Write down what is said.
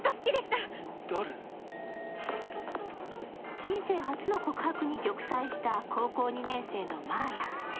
人生初の告白に玉砕した高校２年生の真綾。